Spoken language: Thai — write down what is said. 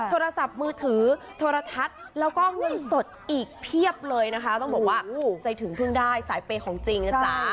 โทรศัพท์มือถือโทรทัศน์แล้วก็เงินสดอีกเพียบเลยนะคะต้องบอกว่าใจถึงเพิ่งได้สายเปย์ของจริงนะจ๊ะ